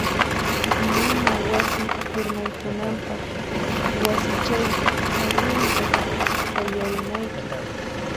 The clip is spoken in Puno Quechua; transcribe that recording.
Mana wasi urmaykunanpaq, wasichayta allinta qallarinayki.